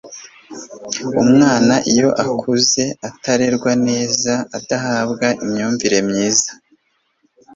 umwana iyo akuze atarerwa neza adahabwa imyumvire myiza